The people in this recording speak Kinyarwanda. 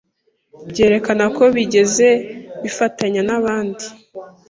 byerekana ko bigeze bifatanya nabaandi